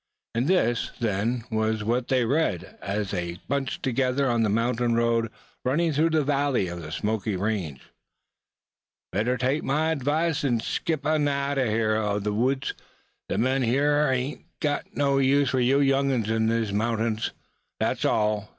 And this, then, was what they read, as they bunched together on the mountain road running through the valley of the Smoky Range: "Beter tak my advis an skip outen this neck ov the woods. The men round heer aint gut no use fo you uns in thes mountings. That's awl.